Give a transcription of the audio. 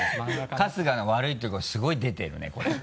春日の悪いとこすごい出てるねこれ。